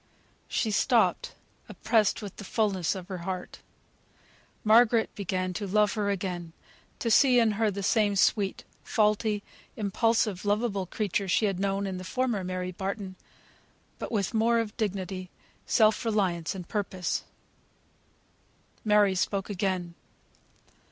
She stopped, oppressed with the fulness of her heart. Margaret began to love her again; to see in her the same sweet, faulty, impulsive, lovable creature she had known in the former Mary Barton, but with more of dignity, self reliance, and purpose. Mary spoke again.